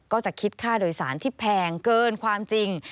ก็จะคิดค่าโดยสารที่แพงเกินความจริง